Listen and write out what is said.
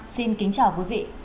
xin kính chào quý vị